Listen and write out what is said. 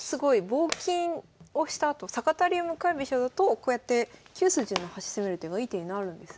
棒金をしたあと坂田流向かい飛車だとこうやって９筋の端攻める手がいい手になるんですね。